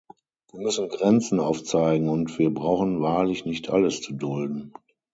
Wir müssen Grenzen aufzeigen und wir brauchen wahrlich nicht alles zu dulden.